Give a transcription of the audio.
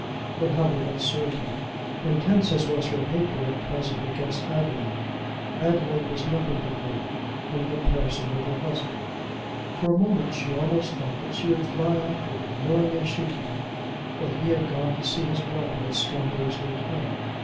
But how would that serve her? Intense as was her hatred at present against Adelaide, Adelaide was nothing to her in comparison with her husband. For a moment she almost thought that she would fly after him, knowing, as she did, that he had gone to see his brother at Scumberg's Hotel.